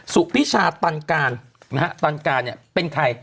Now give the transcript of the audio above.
สุพิชาตันกาลตันกาลเป็นใคร